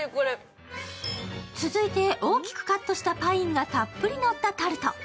続いて大きくカットしたパインがたっぷりのったタルト。